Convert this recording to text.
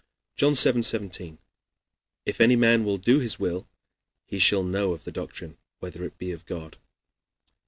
John vii. 17: "If any man will do His will, he shall know of the doctrine whether it be of God."